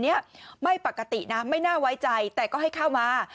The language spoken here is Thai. ไม่น่าไว้ใจไม่ปกตินะแต่ก็ให้เข้ามา